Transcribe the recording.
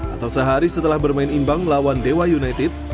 atau sehari setelah bermain imbang melawan dewa united